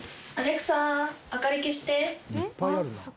「いっぱいあるな」